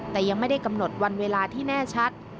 แต่ยังไม่ได้กำหนดวันเวลาที่แน่ชัด